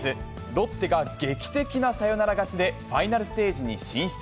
ロッテが劇的なサヨナラ勝ちで、ファイナルステージに進出。